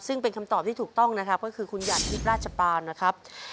ซึ่งคำตอบที่ถูกต้องคือคุณหยัดทิพราชปาลนะครับ